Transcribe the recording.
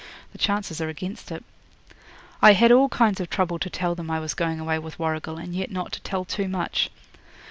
The chances are against it. 'I had all kinds of trouble to tell them I was going away with Warrigal, and yet not to tell too much.